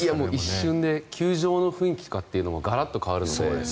一瞬で球場の雰囲気とかもガラッと変わるので。